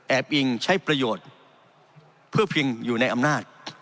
อิงใช้ประโยชน์เพื่อพิงอยู่ในอำนาจ